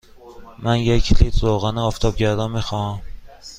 من یک لیتر روغن آفتابگردان می خواهم.